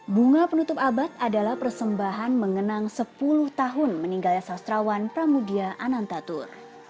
bunga penutup abad adalah persembahan mengenang sepuluh tahun meninggalnya sastrawan pramudia anantatur